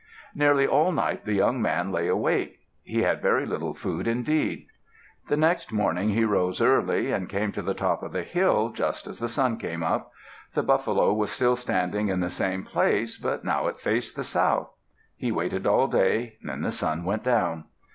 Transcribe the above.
Nearly all night the young man lay awake. He had very little food indeed. The next morning he rose early, and came to the top of the hill, just as the sun came up. The buffalo was still standing in the same place; but now it faced the south. He waited all day. Then the sun went down.